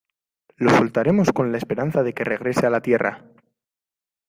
lo soltaremos con la esperanza de que regrese a la tierra